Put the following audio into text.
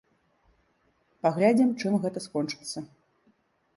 Паглядзім, чым гэта скончыцца.